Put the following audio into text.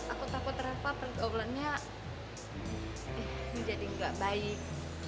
aku takut reva pergoblannya menjadi gak baik